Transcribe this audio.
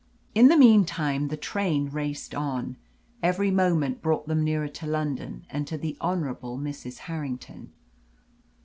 In the meantime the train raced on. Every moment brought them nearer to London and to the Honourable Mrs. Harrington.